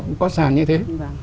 vâng nó có sàn như thế